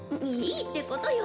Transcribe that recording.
いいってことよ